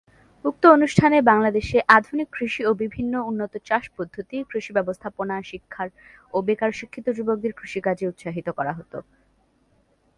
উক্ত অনুষ্ঠানে বাংলাদেশে আধুনিক কৃষি ও বিভিন্ন উন্নত চাষ পদ্ধতি, কৃষি ব্যবস্থাপনা, বেকার ও শিক্ষিত যুবকদের কৃষিকাজে উৎসাহিত করা হতো।